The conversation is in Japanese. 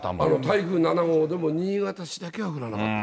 台風７号でも新潟市だけは降らなかった。